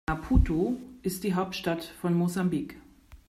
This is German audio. Maputo ist die Hauptstadt von Mosambik.